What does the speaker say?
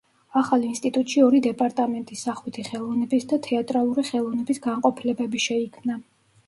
ახალ ინსტიტუტში ორი დეპარტამენტი: სახვითი ხელოვნების და თეატრალური ხელოვნების განყოფილებები შეიქმნა.